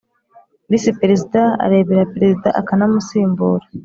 Visi perezida arebera perezida akanamusimbura